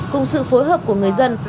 cùng sự phối hợp của người dân